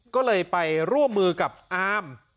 ก็เลยไปร่วมมือกับอาม